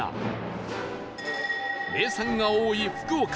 名産が多い福岡